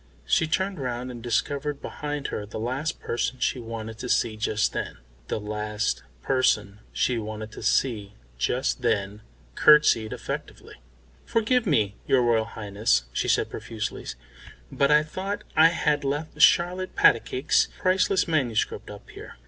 She turned round and discovered behind her the last person she wanted to see just then. The last person she wanted to see just then curtsied effectively. "Forgive me, your Royal Highness," she said profusely, "but I thought I had left Charlotte Patacake's priceless manuscript up here.